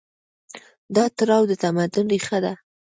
دا تړاو د تمدن ریښه ده.